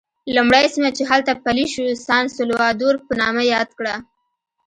لومړی سیمه چې هلته پلی شو سان سولوا دور په نامه یاد کړه.